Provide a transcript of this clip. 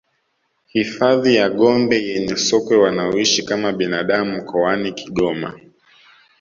Hifadhi ya Gombe yenye sokwe wanaoishi kama binadamu mkoani Kigoma